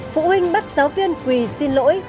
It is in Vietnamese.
phụ huynh bắt giáo viên quỳ xin lỗi